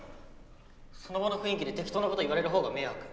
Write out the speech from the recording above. その場の雰囲気で適当なこと言われる方が迷惑。